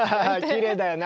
きれいだよね